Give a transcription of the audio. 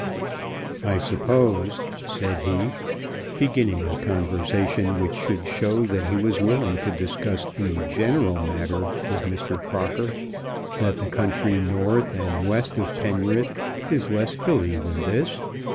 "I suppose," said he, beginning a conversation which should show that he was willing to discuss any general matter with Mr. Crocker, "that the country north and west of Penrith is less hilly than this?"